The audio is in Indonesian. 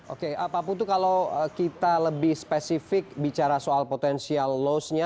oke pak putu kalau kita lebih spesifik bicara soal potensial loss nya